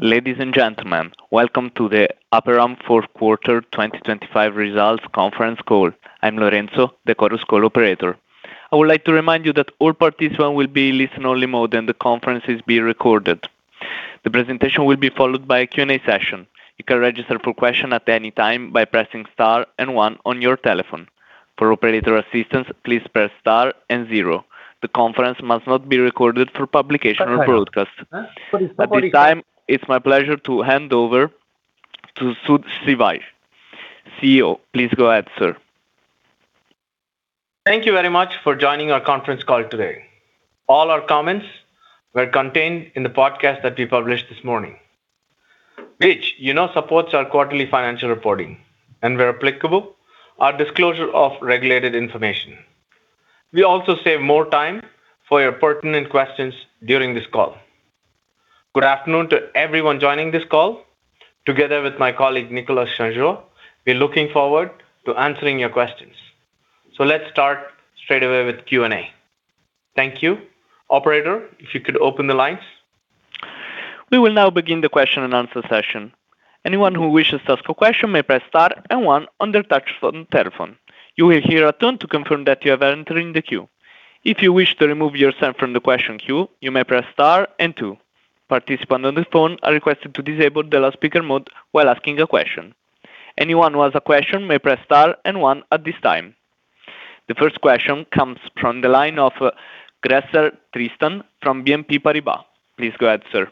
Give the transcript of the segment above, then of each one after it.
Ladies and gentlemen, welcome to the Aperam fourth quarter 2025 results conference call. I'm Lorenzo, the Chorus Call operator. I would like to remind you that all participants will be in listen-only mode, and the conference is being recorded. The presentation will be followed by a Q&A session. You can register for questions at any time by pressing star and one on your telephone. For operator assistance, please press star and zero. The conference must not be recorded for publication or broadcast. At this time, it's my pleasure to hand over to Sud Sivaji, CEO. Please go ahead, sir. Thank you very much for joining our conference call today. All our comments were contained in the podcast that we published this morning, which supports our quarterly financial reporting and, where applicable, our disclosure of regulated information. We also save more time for your pertinent questions during this call. Good afternoon to everyone joining this call. Together with my colleague Nicolas Changeur, we're looking forward to answering your questions. So let's start straight away with Q&A. Thank you. Operator, if you could open the lines. We will now begin the question-and-answer session. Anyone who wishes to ask a question may press star and one on their touch phone or telephone. You will hear a turn to confirm that you have entered in the queue. If you wish to remove yourself from the question queue, you may press star and two. Participants on the phone are requested to disable the loudspeaker mode while asking a question. Anyone who has a question may press star and one at this time. The first question comes from the line of Gresser, Tristan from BNP Paribas. Please go ahead, sir.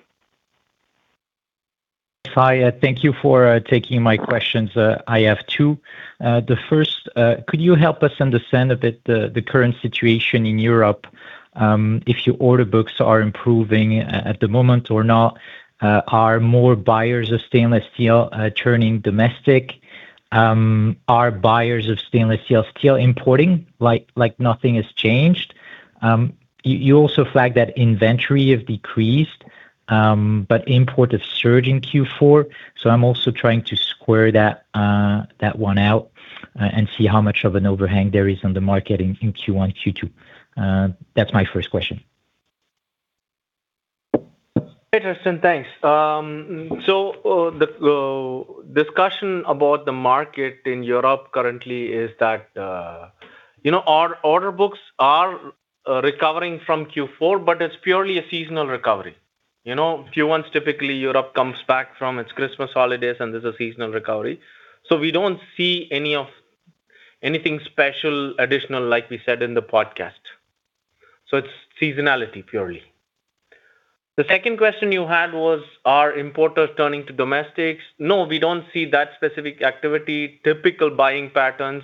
Hi. Thank you for taking my questions. I have two. The first, could you help us understand a bit the current situation in Europe? If your order books are improving at the moment or not, are more buyers of stainless steel turning domestic? Are buyers of stainless steel still importing like nothing has changed? You also flagged that inventory has decreased but imports have surged in Q4, so I'm also trying to square that one out and see how much of an overhang there is on the market in Q1, Q2. That's my first question. Interesting. Thanks. So the discussion about the market in Europe currently is that our order books are recovering from Q4, but it's purely a seasonal recovery. Q1 is typically Europe comes back from its Christmas holidays, and this is a seasonal recovery. So we don't see anything special, additional, like we said in the podcast. So it's seasonality purely. The second question you had was, are importers turning to domestics? No, we don't see that specific activity. Typical buying patterns,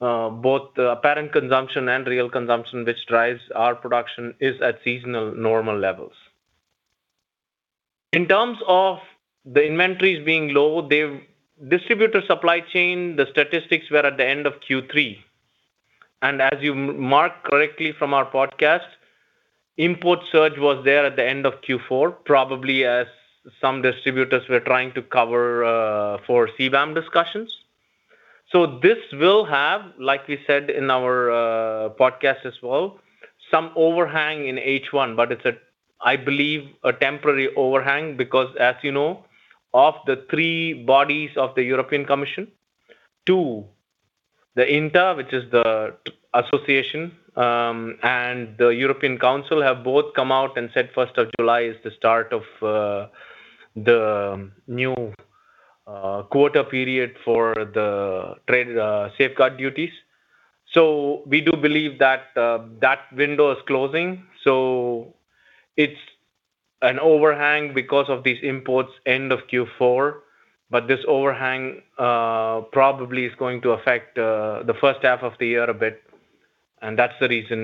both apparent consumption and real consumption, which drives our production, is at seasonal, normal levels. In terms of the inventories being low, distributor supply chain, the statistics were at the end of Q3. And as you marked correctly from our podcast, import surge was there at the end of Q4, probably as some distributors were trying to cover for CBAM discussions. So this will have, like we said in our podcast as well, some overhang in H1, but it's, I believe, a temporary overhang because, as you know, of the three bodies of the European Commission, two, the INTA, which is the association, and the European Council have both come out and said 1st of July is the start of the new quota period for the safeguard duties. So we do believe that that window is closing. So it's an overhang because of these imports end of Q4, but this overhang probably is going to affect the first half of the year a bit, and that's the reason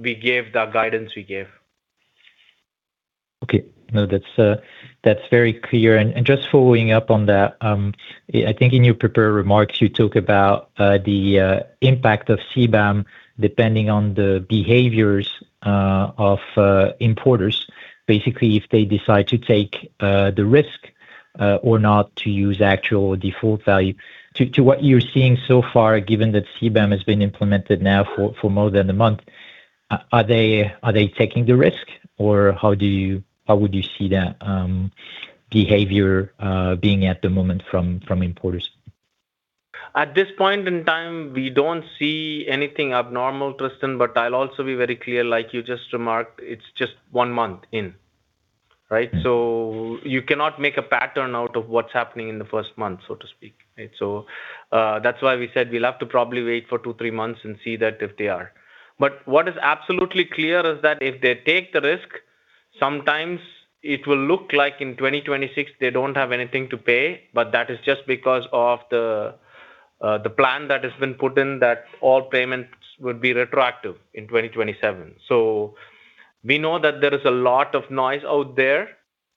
we gave the guidance we gave. Okay. No, that's very clear. And just following up on that, I think in your prepared remarks, you talked about the impact of CBAM depending on the behaviors of importers, basically if they decide to take the risk or not to use actual default value. To what you're seeing so far, given that CBAM has been implemented now for more than a month, are they taking the risk, or how would you see that behavior being at the moment from importers? At this point in time, we don't see anything abnormal, Tristan, but I'll also be very clear. Like you just remarked, it's just one month in, right? So you cannot make a pattern out of what's happening in the first month, so to speak. So that's why we said we'll have to probably wait for two, three months and see that if they are. But what is absolutely clear is that if they take the risk, sometimes it will look like in 2026 they don't have anything to pay, but that is just because of the plan that has been put in that all payments would be retroactive in 2027. So we know that there is a lot of noise out there,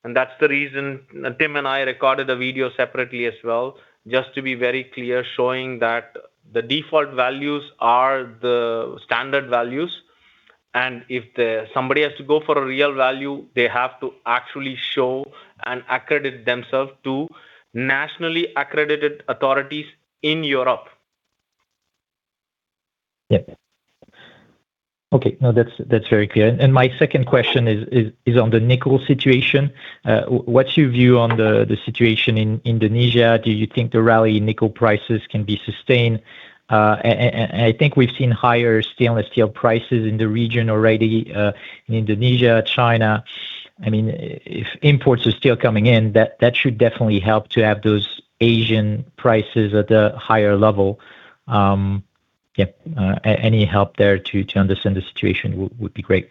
and that's the reason Tim and I recorded a video separately as well, just to be very clear, showing that the default values are the standard values. If somebody has to go for a real value, they have to actually show and accredit themselves to nationally accredited authorities in Europe. Yep. Okay. No, that's very clear. And my second question is on the nickel situation. What's your view on the situation in Indonesia? Do you think the rally in nickel prices can be sustained? And I think we've seen higher stainless steel prices in the region already in Indonesia, China. I mean, if imports are still coming in, that should definitely help to have those Asian prices at a higher level. Yep. Any help there to understand the situation would be great.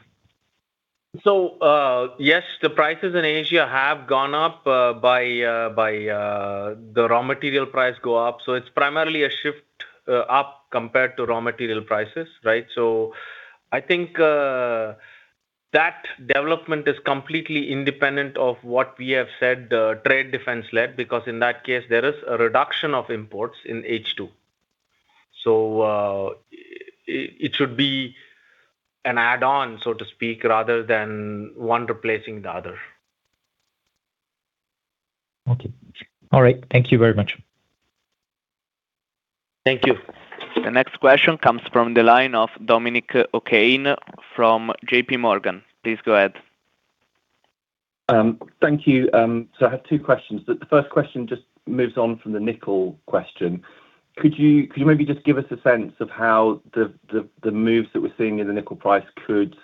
So yes, the prices in Asia have gone up by the raw material price go up. So it's primarily a shift up compared to raw material prices, right? So I think that development is completely independent of what we have said trade defense led because in that case, there is a reduction of imports in H2. So it should be an add-on, so to speak, rather than one replacing the other. Okay. All right. Thank you very much. Thank you. The next question comes from the line of Dominic O'Kane from JPMorgan. Please go ahead. Thank you. So, I have two questions. The first question just moves on from the nickel question. Could you maybe just give us a sense of how the moves that we're seeing in the nickel price could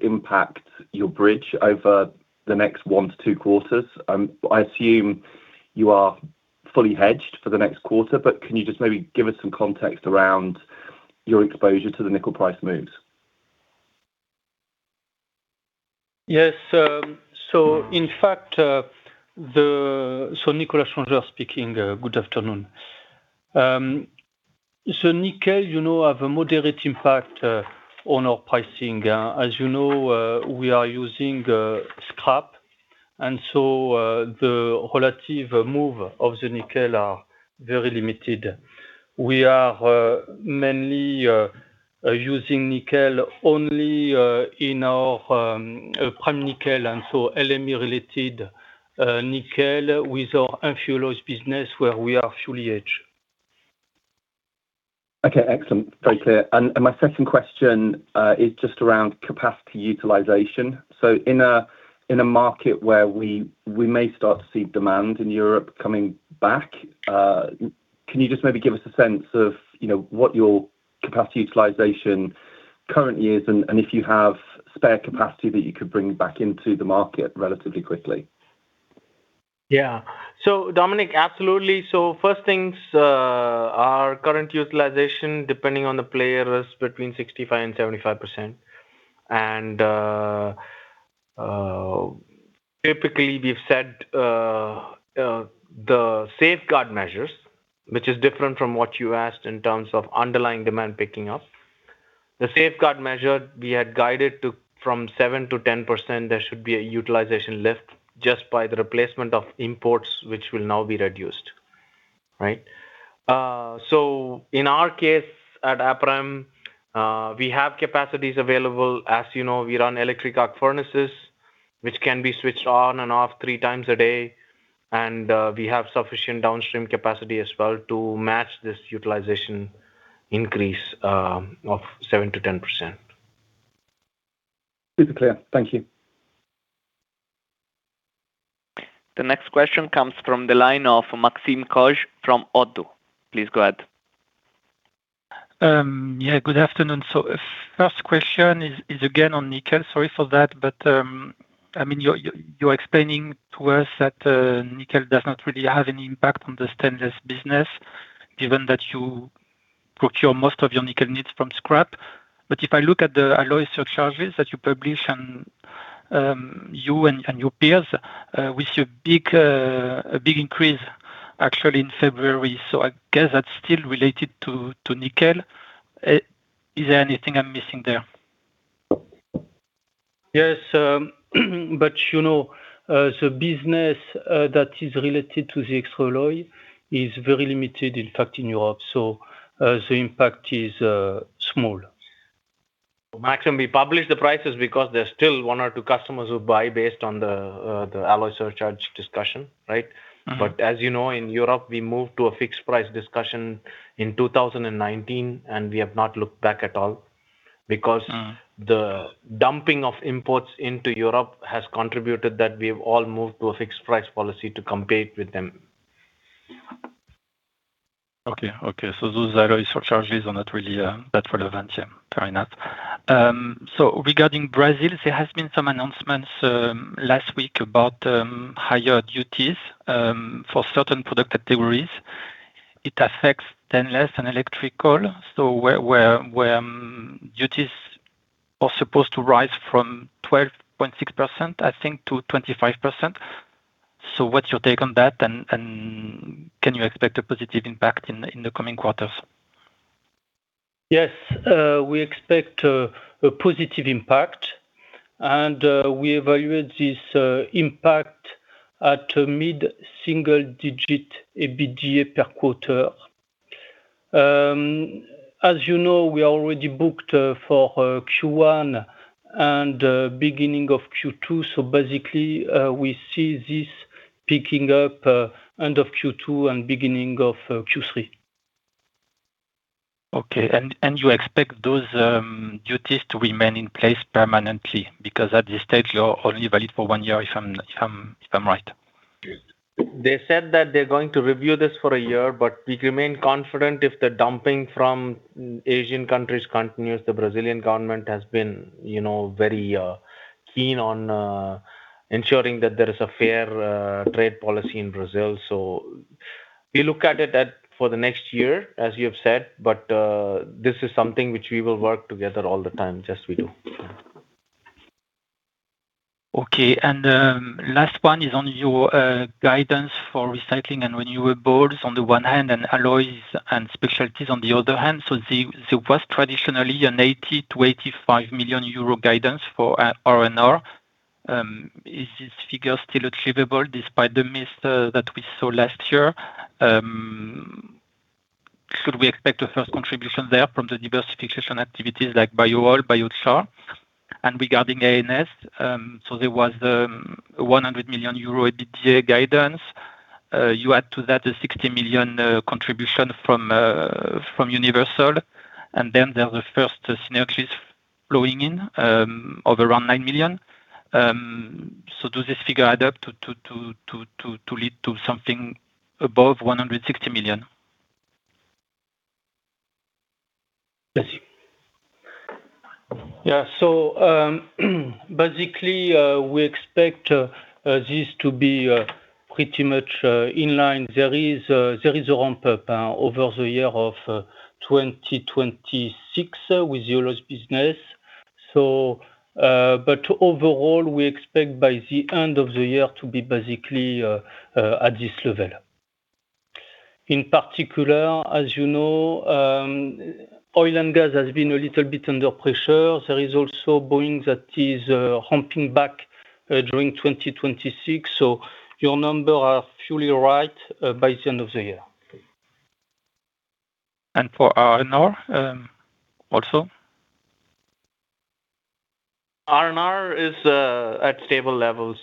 impact your bridge over the next one to two quarters? I assume you are fully hedged for the next quarter, but can you just maybe give us some context around your exposure to the nickel price moves? Yes. So in fact, Nicolas Changeur speaking. Good afternoon. The nickel have a moderate impact on our pricing. As you know, we are using scrap, and so the relative move of the nickel are very limited. We are mainly using nickel only in our prime nickel, and so LME-related nickel with our alloys business where we are fully hedged. Okay. Excellent. Very clear. My second question is just around capacity utilization. So in a market where we may start to see demand in Europe coming back, can you just maybe give us a sense of what your capacity utilization currently is and if you have spare capacity that you could bring back into the market relatively quickly? Yeah. So Dominic, absolutely. So first things are current utilization depending on the player is between 65%-75%. And typically, we've said the safeguard measures, which is different from what you asked in terms of underlying demand picking up. The safeguard measure, we had guided from 7%-10%, there should be a utilization lift just by the replacement of imports, which will now be reduced, right? So in our case at Aperam, we have capacities available. As you know, we run electric arc furnaces, which can be switched on and off three times a day. And we have sufficient downstream capacity as well to match this utilization increase of 7%-10%. Super clear. Thank you. The next question comes from the line of Maxime Kogge from ODDO. Please go ahead. Yeah. Good afternoon. So first question is again on nickel. Sorry for that, but I mean, you're explaining to us that nickel does not really have any impact on the stainless business given that you procure most of your nickel needs from scrap. But if I look at the alloy surcharges that you publish and you and your peers, we see a big increase actually in February. So I guess that's still related to nickel. Is there anything I'm missing there? Yes. But the business that is related to the extra alloy is very limited, in fact, in Europe. So the impact is small. Maxime, we published the prices because there's still one or two customers who buy based on the alloy surcharge discussion, right? But as you know, in Europe, we moved to a fixed price discussion in 2019, and we have not looked back at all because the dumping of imports into Europe has contributed that we have all moved to a fixed price policy to compete with them. Okay. Okay. So those alloy surcharges are not really that relevant. Yeah. Fair enough. So regarding Brazil, there has been some announcements last week about higher duties for certain product categories. It affects stainless and electrical. So where duties are supposed to rise from 12.6%, I think, to 25%. So what's your take on that, and can you expect a positive impact in the coming quarters? Yes. We expect a positive impact, and we evaluate this impact at mid-single-digit EBITDA per quarter. As you know, we are already booked for Q1 and beginning of Q2. So basically, we see this picking up end of Q2 and beginning of Q3. Okay. And you expect those duties to remain in place permanently because at this stage, they're only valid for one year, if I'm right? They said that they're going to review this for a year, but we remain confident if the dumping from Asian countries continues. The Brazilian government has been very keen on ensuring that there is a fair trade policy in Brazil. So we look at it for the next year, as you have said, but this is something which we will work together all the time. Yes, we do. Yeah. Okay. And last one is on your guidance for recycling and renewable boards on the one hand and alloys and specialties on the other hand. So there was traditionally an 80 million-85 million euro guidance for R&R. Is this figure still achievable despite the miss that we saw last year? Should we expect a first contribution there from the diversification activities like bio-oil, biochar? And regarding A&S, so there was a 100 million euro EBITDA guidance. You add to that a 60 million contribution from Universal, and then there's the first synergies flowing in of around 9 million. So does this figure add up to lead to something above 160 million? Yes. So basically, we expect this to be pretty much in line. There is a ramp-up over the year of 2026 with the alloys business. But overall, we expect by the end of the year to be basically at this level. In particular, as you know, oil and gas has been a little bit under pressure. There is also Boeing that is ramping back during 2026. So your numbers are fully right by the end of the year. For R&R also? R&R is at stable levels,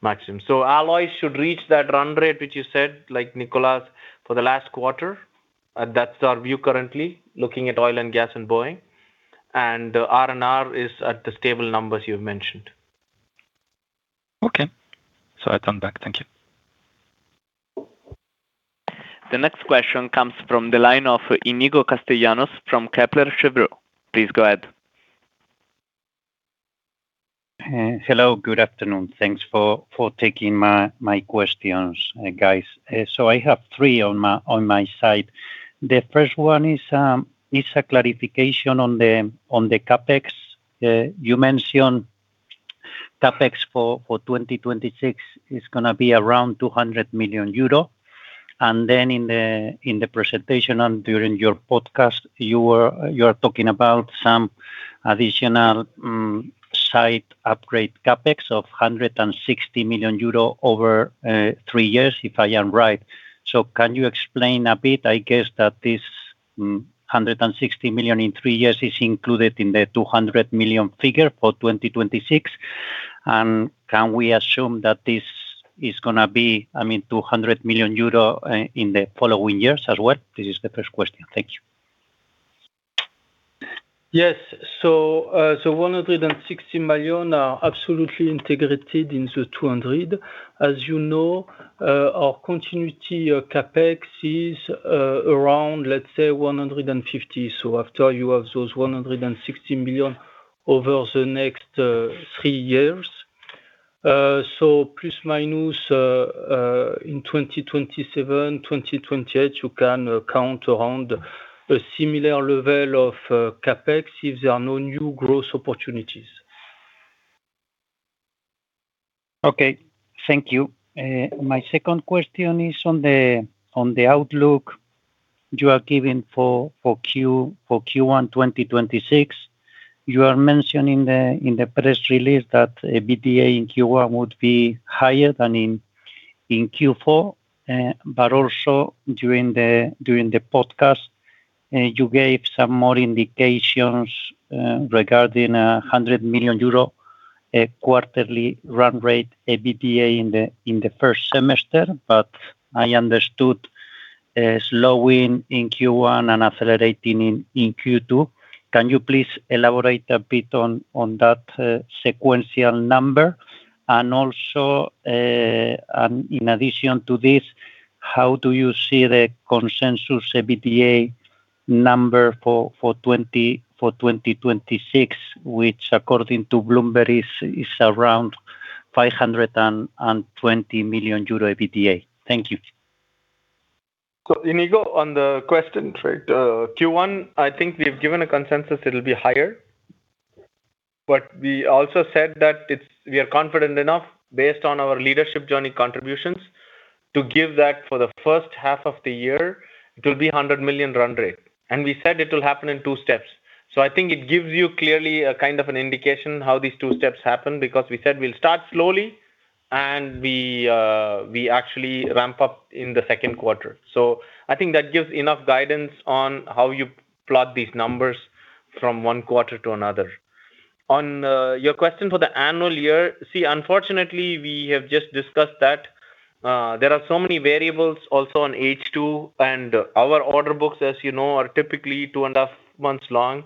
Maxime. So alloys should reach that run rate, which you said, like Nicolas, for the last quarter. That's our view currently looking at oil and gas and Boeing. And R&R is at the stable numbers you've mentioned. Okay. So I turn back. Thank you. The next question comes from the line of Inigo Castellanos from Kepler Cheuvreux. Please go ahead. Hello. Good afternoon. Thanks for taking my questions, guys. So I have three on my side. The first one is a clarification on the CapEx. You mentioned CapEx for 2026 is going to be around 200 million euro. And then in the presentation and during your podcast, you are talking about some additional site upgrade CapEx of 160 million euro over three years, if I am right. So can you explain a bit? I guess that this 160 million in three years is included in the 200 million figure for 2026. And can we assume that this is going to be, I mean, 200 million euro in the following years as well? This is the first question. Thank you. Yes. So 160 million are absolutely integrated in the 200 million. As you know, our continuity CapEx is around, let's say, 150 million. So after you have those 160 million over the next three years, so plus minus in 2027, 2028, you can count around a similar level of CapEx if there are no new growth opportunities. Okay. Thank you. My second question is on the outlook you are giving for Q1 2026. You are mentioning in the press release that EBITDA in Q1 would be higher than in Q4. But also during the podcast, you gave some more indications regarding a 100 million euro quarterly run rate EBITDA in the first semester. But I understood slowing in Q1 and accelerating in Q2. Can you please elaborate a bit on that sequential number? And also in addition to this, how do you see the consensus EBITDA number for 2026, which according to Bloomberg is around 520 million euro EBITDA? Thank you. So Inigo, on the question, right, Q1, I think we have given a consensus it'll be higher. But we also said that we are confident enough based on our Leadership Journey contributions to give that for the first half of the year, it will be 100 million run rate. And we said it will happen in two steps. So I think it gives you clearly a kind of an indication how these two steps happen because we said we'll start slowly, and we actually ramp up in the second quarter. So I think that gives enough guidance on how you plot these numbers from one quarter to another. On your question for the annual year, see, unfortunately, we have just discussed that there are so many variables also on H2. And our order books, as you know, are typically two and a half months long.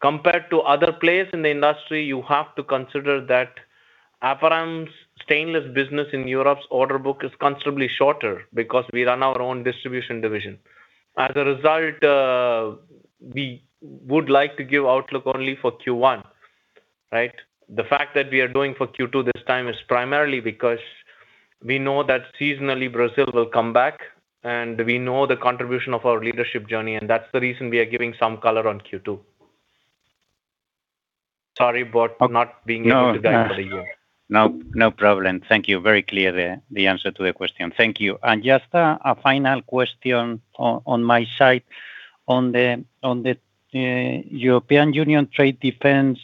Compared to other places in the industry, you have to consider that Aperam's stainless business in Europe's order book is considerably shorter because we run our own distribution division. As a result, we would like to give outlook only for Q1, right? The fact that we are doing for Q2 this time is primarily because we know that seasonally Brazil will come back, and we know the contribution of our Leadership Journey. And that's the reason we are giving some color on Q2. Sorry about not being able to guide for the year. No. No problem. Thank you. Very clear, the answer to the question. Thank you. And just a final question on my side. On the European Union trade defense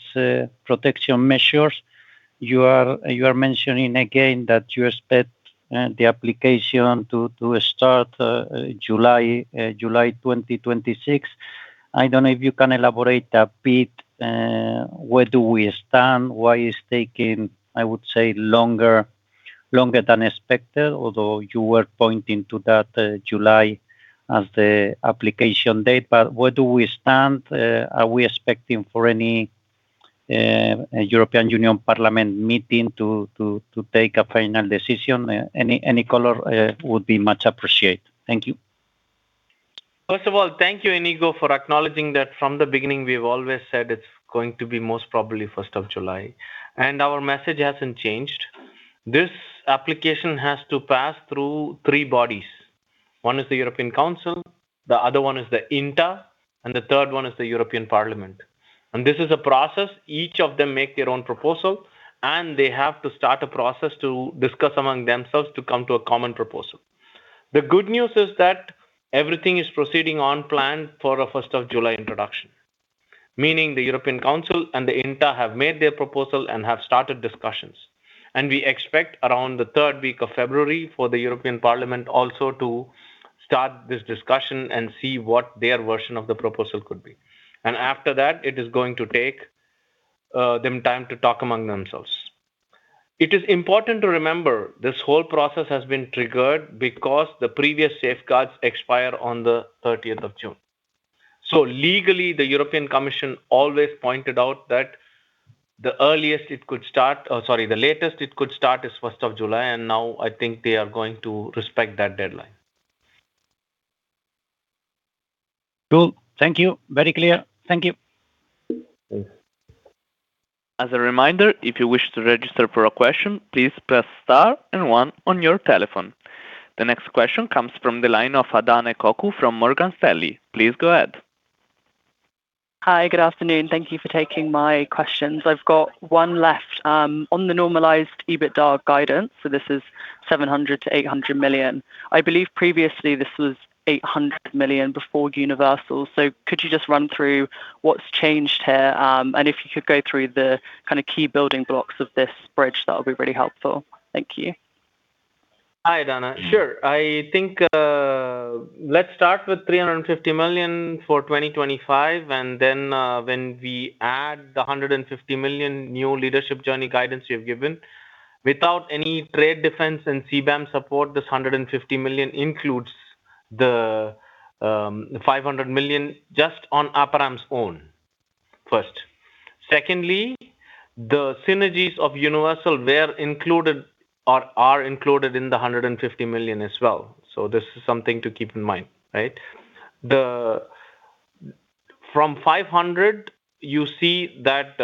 protection measures, you are mentioning again that you expect the application to start July 2026. I don't know if you can elaborate a bit where do we stand? Why is taking, I would say, longer than expected, although you were pointing to that July as the application date. But where do we stand? Are we expecting for any European Parliament meeting to take a final decision? Any color would be much appreciated. Thank you. First of all, thank you, Inigo, for acknowledging that from the beginning, we have always said it's going to be most probably 1st of July. Our message hasn't changed. This application has to pass through three bodies. One is the European Council. The other one is the INTA. And the third one is the European Parliament. This is a process. Each of them make their own proposal, and they have to start a process to discuss among themselves to come to a common proposal. The good news is that everything is proceeding on plan for a 1st of July introduction, meaning the European Council and the INTA have made their proposal and have started discussions. We expect around the third week of February for the European Parliament also to start this discussion and see what their version of the proposal could be. And after that, it is going to take them time to talk among themselves. It is important to remember this whole process has been triggered because the previous safeguards expire on the 30th of June. So legally, the European Commission always pointed out that the earliest it could start or sorry, the latest it could start is 1st of July. And now I think they are going to respect that deadline. Cool. Thank you. Very clear. Thank you. Thanks. As a reminder, if you wish to register for a question, please press star and one on your telephone. The next question comes from the line of Adahna Ekoku from Morgan Stanley. Please go ahead. Hi. Good afternoon. Thank you for taking my questions. I've got one left. On the normalized EBITDA guidance, so this is 700 million-800 million. I believe previously, this was 800 million before Universal. So could you just run through what's changed here and if you could go through the kind of key building blocks of this bridge? That'll be really helpful. Thank you. Hi, Adahna. Sure. I think let's start with 350 million for 2025. And then when we add the 150 million new Leadership Journey guidance you have given, without any trade defense and CBAM support, this 150 million includes the 500 million just on Aperam's own first. Secondly, the synergies of Universal are included in the 150 million as well. So this is something to keep in mind, right? From 500 million, you see that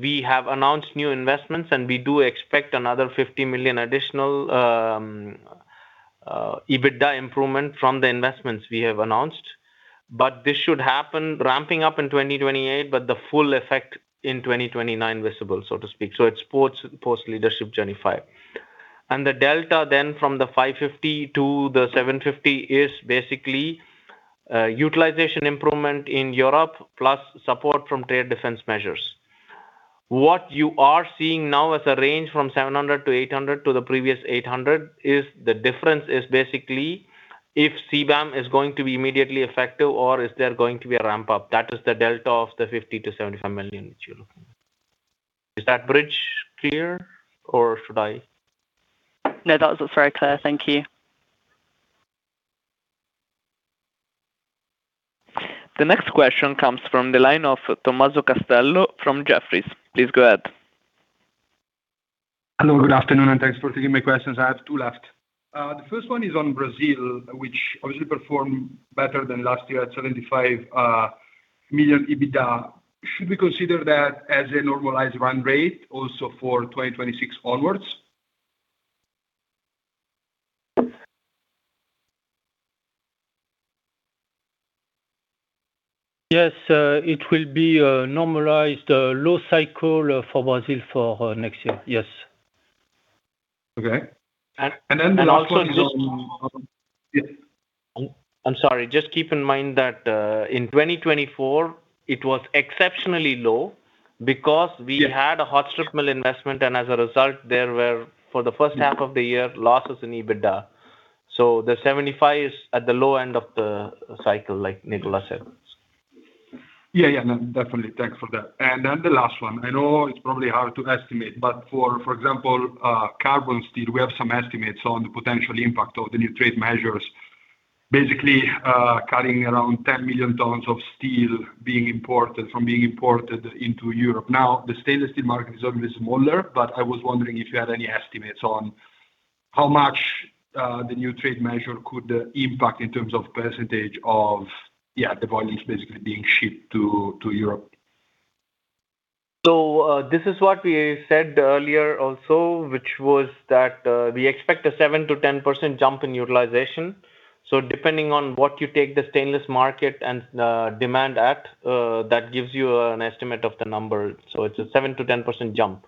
we have announced new investments, and we do expect another 50 million additional EBITDA improvement from the investments we have announced. But this should happen ramping up in 2028, but the full effect in 2029 visible, so to speak. So it's Post-Leadership Journey 5. And the delta then from the 550 million to the 750 million is basically utilization improvement in Europe plus support from trade defense measures. What you are seeing now as a range from 700 million-800 million to the previous 800 million is the difference is basically if CBAM is going to be immediately effective or is there going to be a ramp-up. That is the delta of the 50 million-75 million which you're looking at. Is that bridge clear, or should I? No, that was very clear. Thank you. The next question comes from the line of Tommaso Castello from Jefferies. Please go ahead. Hello. Good afternoon, and thanks for taking my questions. I have two left. The first one is on Brazil, which obviously performed better than last year at 75 million EBITDA. Should we consider that as a normalized run rate also for 2026 onwards? Yes. It will be a normalized low cycle for Brazil for next year. Yes. Okay. And then the last one is on. And also just. Yes. I'm sorry. Just keep in mind that in 2024, it was exceptionally low because we had a hot strip mill investment. And as a result, there were, for the first half of the year, losses in EBITDA. So the 75 is at the low end of the cycle, like Nicolas said. Yeah. Yeah. No. Definitely. Thanks for that. Then the last one. I know it's probably hard to estimate, but for example, carbon steel, we have some estimates on the potential impact of the new trade measures, basically cutting around 10 million tons of steel from being imported into Europe. Now, the stainless-steel market is already smaller, but I was wondering if you had any estimates on how much the new trade measure could impact in terms of percentage of, yeah, the volumes basically being shipped to Europe. So this is what we said earlier also, which was that we expect a 7%-10% jump in utilization. So depending on what you take the stainless market and demand at, that gives you an estimate of the number. So it's a 7%-10% jump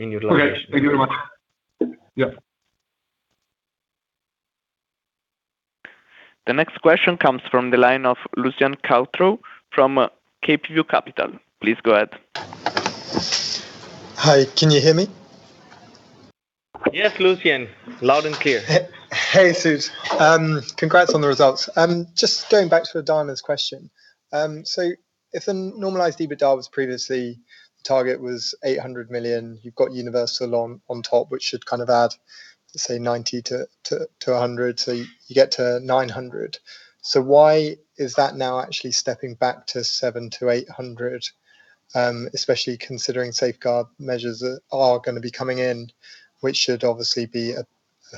in utilization. Okay. Thank you very much. Yeah. The next question comes from the line of Lucian Cawthron from CapeView Capital. Please go ahead. Hi. Can you hear me? Yes, Lucian. Loud and clear. Hey, Sud. Congrats on the results. Just going back to Adahna's question. So if the normalized EBITDA was previously the target was 800 million, you've got Universal on top, which should kind of add, let's say, 90 million-100 million. So you get to 900 million. So why is that now actually stepping back to 700 million-800 million, especially considering safeguard measures that are going to be coming in, which should obviously be a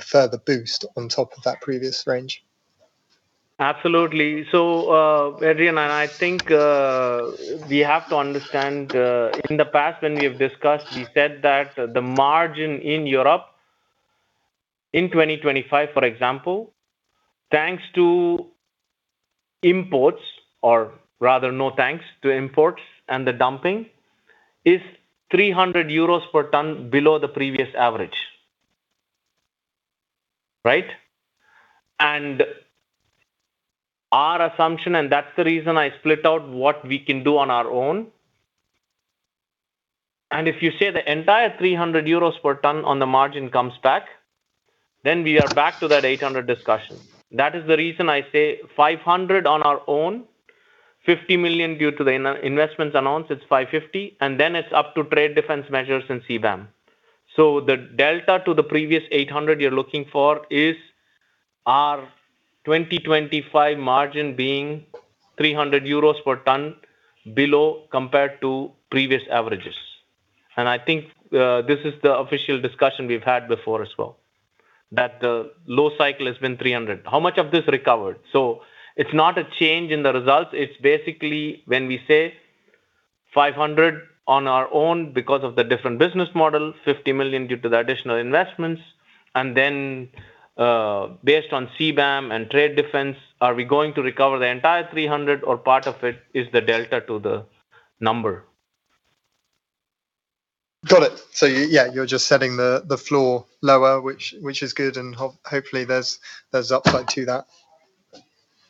further boost on top of that previous range? Absolutely. So Adrian, and I think we have to understand, in the past when we have discussed, we said that the margin in Europe in 2025, for example, thanks to imports or rather no thanks to imports and the dumping, is 300 euros per ton below the previous average, right? And our assumption, and that's the reason I split out what we can do on our own. And if you say the entire 300 euros per ton on the margin comes back, then we are back to that 800 discussion. That is the reason I say 500 on our own, 50 million due to the investments announced. It's 550. And then it's up to trade defense measures and CBAM. So the delta to the previous 800 you're looking for is our 2025 margin being 300 euros per ton below compared to previous averages. I think this is the official discussion we've had before as well, that the low cycle has been 300. How much of this recovered? So it's not a change in the results. It's basically when we say 500 on our own because of the different business model, 50 million due to the additional investments. And then based on CBAM and trade defense, are we going to recover the entire 300, or part of it is the delta to the number? Got it. So yeah, you're just setting the floor lower, which is good. Hopefully, there's upside to that.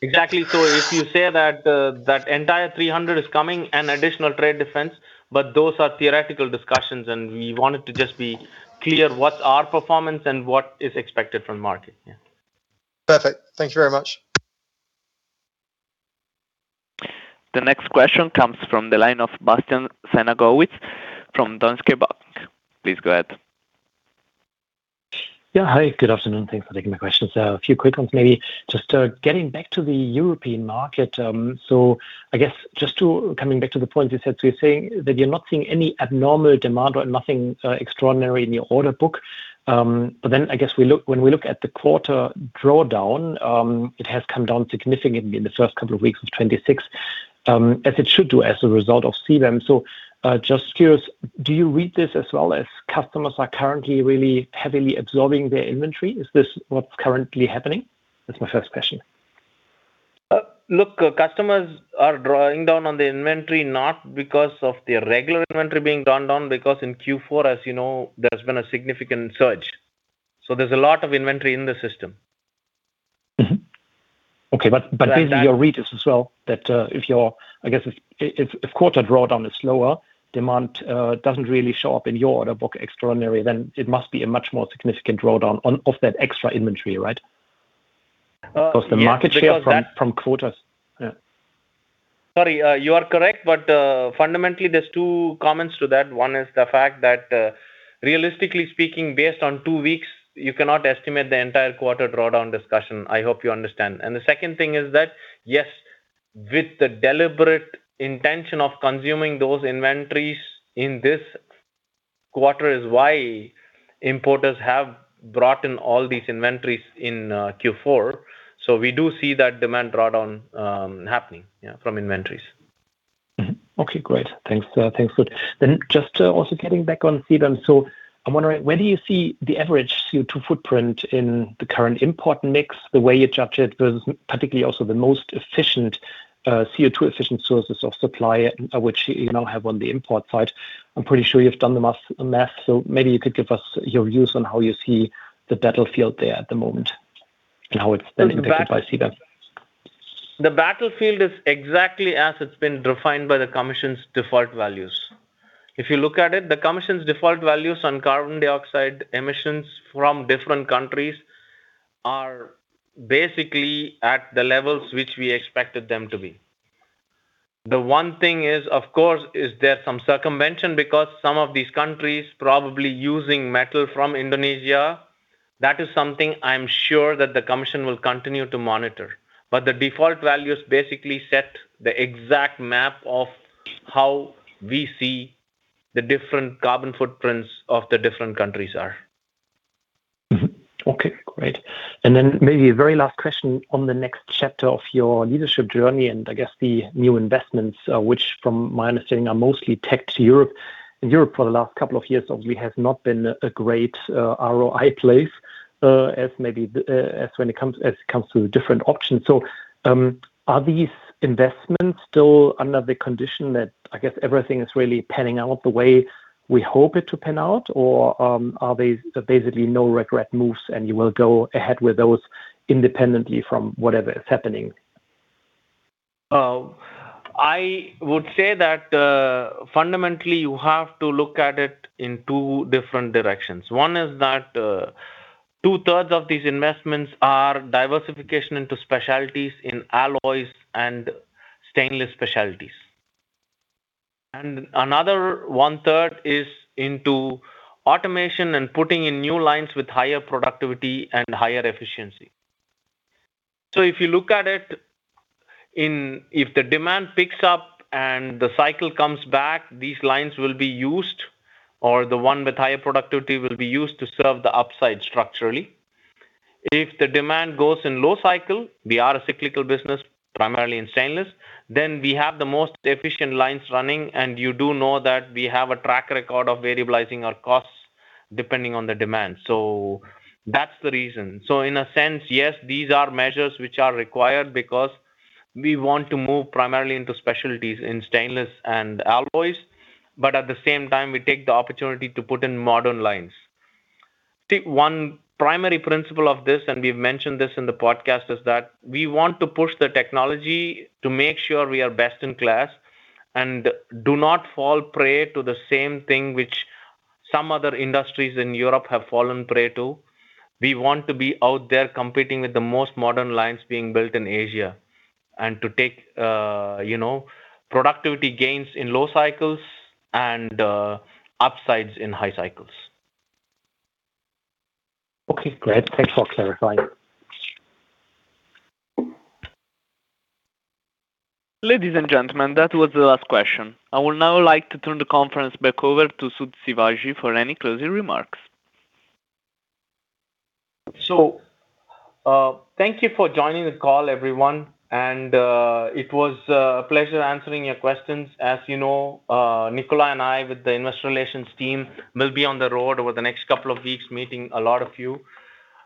Exactly. So if you say that entire 300 is coming, an additional trade defense, but those are theoretical discussions. And we wanted to just be clear what's our performance and what is expected from the market. Yeah. Perfect. Thank you very much. The next question comes from the line of Bastian Synagowitz from Deutsche Bank. Please go ahead. Yeah. Hi. Good afternoon. Thanks for taking my question. So a few quick ones maybe. Just getting back to the European market. So I guess just coming back to the point you said, so you're saying that you're not seeing any abnormal demand or nothing extraordinary in your order book. But then I guess when we look at the quarter drawdown, it has come down significantly in the first couple of weeks of 2026 as it should do as a result of CBAM. So just curious, do you read this as well as customers are currently really heavily absorbing their inventory? Is this what's currently happening? That's my first question. Look, customers are drawing down on the inventory not because of their regular inventory being drawn down, because in Q4, as you know, there's been a significant surge. So there's a lot of inventory in the system. Okay. But basically, your read is as well that if the, I guess, quarter drawdown is slower, demand doesn't really show up in your order book extraordinarily, then it must be a much more significant drawdown of that extra inventory, right? Because the market share from quarters. Sorry. You are correct. But fundamentally, there's two comments to that. One is the fact that realistically speaking, based on two weeks, you cannot estimate the entire quarter drawdown discussion. I hope you understand. And the second thing is that, yes, with the deliberate intention of consuming those inventories in this quarter is why importers have brought in all these inventories in Q4. So we do see that demand drawdown happening from inventories. Okay. Great. Thanks. Thanks, Sud. Then just also getting back on CBAM, so I'm wondering, where do you see the average CO2 footprint in the current import mix, the way you judge it, versus particularly also the most efficient CO2-efficient sources of supply which you now have on the import side? I'm pretty sure you've done the math. So maybe you could give us your views on how you see the battlefield there at the moment and how it's been impacted by CBAM. The battlefield is exactly as it's been defined by the Commission's default values. If you look at it, the Commission's default values on carbon dioxide emissions from different countries are basically at the levels which we expected them to be. The one thing is, of course, there is some circumvention because some of these countries probably using metal from Indonesia. That is something I'm sure that the Commission will continue to monitor. But the default values basically set the exact map of how we see the different carbon footprints of the different countries are. Okay. Great. And then maybe a very last question on the next chapter of your Leadership Journey and I guess the new investments, which from my understanding are mostly tech to Europe. And Europe for the last couple of years, obviously, has not been a great ROI place as maybe when it comes to different options. So are these investments still under the condition that I guess everything is really panning out the way we hope it to pan out, or are they basically no-regret moves, and you will go ahead with those independently from whatever is happening? I would say that fundamentally, you have to look at it in two different directions. One is that 2/3 of these investments are diversification into specialties in alloys and stainless specialties. And another one-third is into automation and putting in new lines with higher productivity and higher efficiency. So if you look at it, if the demand picks up and the cycle comes back, these lines will be used or the one with higher productivity will be used to serve the upside structurally. If the demand goes in low cycle - we are a cyclical business primarily in stainless - then we have the most efficient lines running. And you do know that we have a track record of variabilizing our costs depending on the demand. So that's the reason. In a sense, yes, these are measures which are required because we want to move primarily into specialties in stainless and alloys. But at the same time, we take the opportunity to put in modern lines. One primary principle of this, and we've mentioned this in the podcast, is that we want to push the technology to make sure we are best in class and do not fall prey to the same thing which some other industries in Europe have fallen prey to. We want to be out there competing with the most modern lines being built in Asia and to take productivity gains in low cycles and upsides in high cycles. Okay. Great. Thanks for clarifying. Ladies and gentlemen, that was the last question. I will now like to turn the conference back over to Sud Sivaji for any closing remarks. So thank you for joining the call, everyone. It was a pleasure answering your questions. As you know, Nicolas and I with the investor relations team will be on the road over the next couple of weeks meeting a lot of you.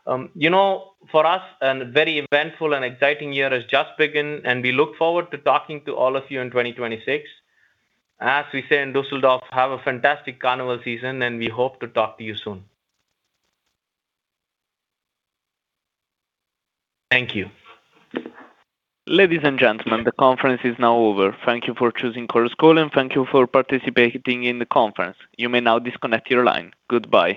For us, a very eventful and exciting year has just begun. We look forward to talking to all of you in 2026. As we say in Düsseldorf, have a fantastic carnival season. We hope to talk to you soon. Thank you. Ladies and gentlemen, the conference is now over. Thank you for choosing Chorus Call. Thank you for participating in the conference. You may now disconnect your line. Goodbye.